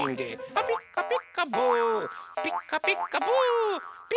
あピッカピッカブピッカピッカブピーカー。